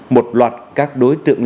một loạt các đối tượng